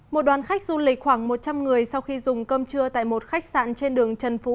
một đoàn khách du lịch khoảng một trăm linh người sau khi dùng cơm trưa tại một khách sạn trên đường trần phú